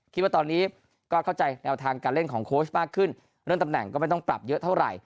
คิดว่าตอนนี้ก็เข้าใจแนวทางการเล่นของโค้ชมากขึ้นเรื่องตำแหน่งก็ไม่ต้องปรับเยอะเท่าไหร่